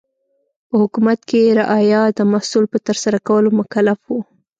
په حکومت کې رعایا د محصول په ترسره کولو مکلف و.